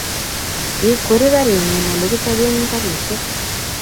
Kikweri karinyi olegichape karishek